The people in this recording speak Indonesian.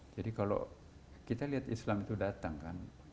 jadi kalau kita lihat islam itu datang kan